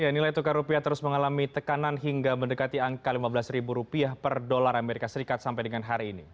nilai tukar rupiah terus mengalami tekanan hingga mendekati angka lima belas ribu rupiah per dolar amerika serikat sampai dengan hari ini